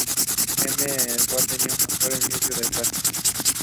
The election was won by Joseph Olatunji Ajayi of the Alliance for Democracy.